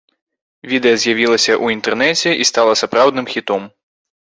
Відэа з'явілася ў інтэрнэце і стала сапраўдным хітом.